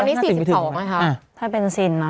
ตอนนี้๔๒กว่าไหมครับลิตรละ๕๐กว่าไม่มีถึงหรือเปล่า